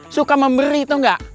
suka memberi tau gak